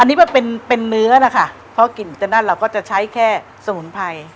อันนี้ก็เป็นเป็นเนื้อนะคะเพราะกลิ่นตัวนั่นเราก็จะใช้แค่สมุนไพร